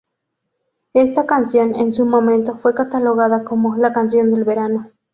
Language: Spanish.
Ésta canción, en su momento, fue catalogada como "la canción del verano".